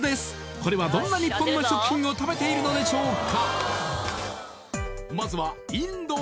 これはどんな日本の食品を食べているのでしょうか？